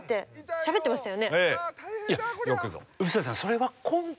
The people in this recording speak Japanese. しゃべってましたよ。